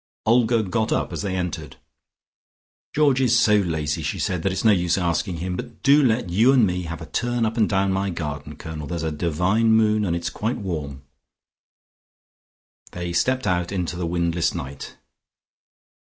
Olga got up as they entered. "Georgie's so lazy," she said, "that it's no use asking him. But do let you and me have a turn up and down my garden, Colonel. There's a divine moon and it's quite warm." They stepped out into the windless night.